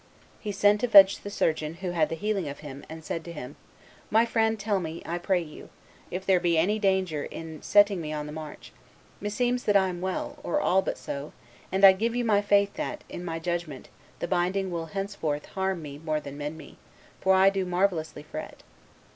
He sent to fetch the surgeon who had the healing of him, and said to him, 'My friend, tell me, I pray you, if there be any danger in setting me on the march; me seems that I am well, or all but so; and I give you my faith that, in my judgment, the biding will henceforth harm me more than mend me, for I do marvellously fret.